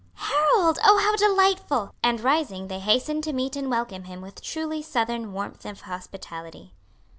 "Harold! oh, how delightful!" And rising they hastened to meet and welcome him with truly Southern warmth of hospitality.